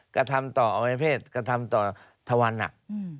กระทำต่ออวัยเพศกระทำต่อทวันอ่ะ